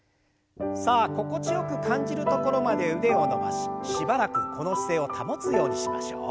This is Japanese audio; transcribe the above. さあ心地よく感じるところまで腕を伸ばししばらくこの姿勢を保つようにしましょう。